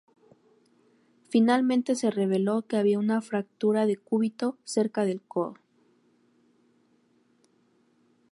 Finalmente se reveló que había una fractura de cúbito cerca del codo.